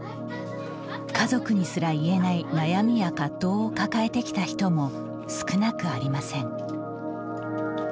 家族にすら言えない悩みや葛藤を抱えてきた人も少なくありません。